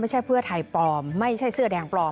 เพื่อไทยปลอมไม่ใช่เสื้อแดงปลอม